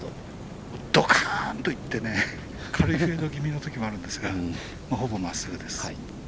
どかんといって軽めにいけるときもあるんですがほぼまっすぐです。